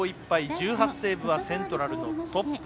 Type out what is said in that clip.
１８セーブはセントラルのトップ。